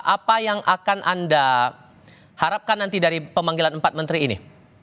apa yang akan anda harapkan nanti dari pemanggilan empat menteri ini